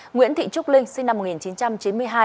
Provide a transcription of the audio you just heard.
nguyễn thị trúc linh sinh năm một nghìn chín trăm chín mươi hai